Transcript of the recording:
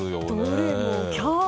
どれもキャー！